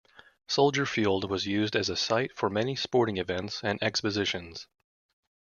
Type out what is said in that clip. Soldier Field was used as a site for many sporting events and exhibitions.